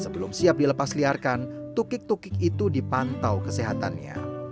sebelum siap dilepas liarkan tukik tukik itu dipantau kesehatannya